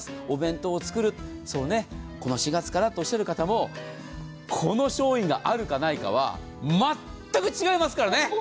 お弁当を作る、この４月からという方もこの商品があるかないかは全く違いますからね。